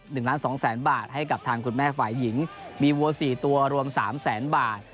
หนึ่งล้านสองแสนบาทให้กับทางคุณแม่ฝ่ายหญิงมีวัวสี่ตัวรวมสามแสนบาท